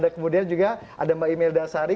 kemudian juga ada mbak imelda sari